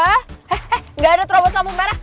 hehehe gak ada terobos lampu merah